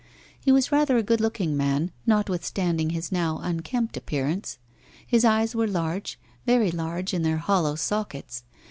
He was rather a good looking man, notwithstanding his now unkempt appearance. His eyes were large very large in their hollow sockets.